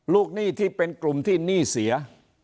หนี้ที่เป็นกลุ่มที่หนี้เสีย